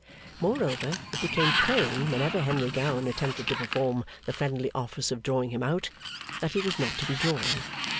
Moreover, it became plain whenever Henry Gowan attempted to perform the friendly office of drawing him out, that he was not to be drawn.